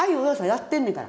やってんねんから。